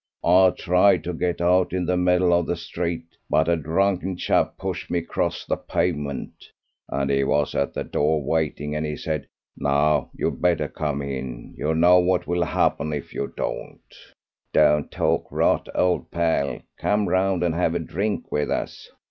I tried to get out into the middle of the street, but a drunken chap pushed me across the pavement, and he was at the door waiting, and he said, 'Now, you'd better come in; you know what will happen if you don't.'" "Don't talk rot, old pal; come round and have a drink with us."